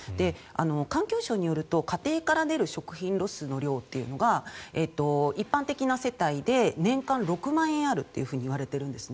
環境省によると家庭から出る食品ロスの量というのが一般的な世帯で年間６万円あるといわれているんですね。